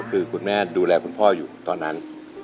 คือคุณแม่ดูแลคุณพ่ออยู่ตอนนั้น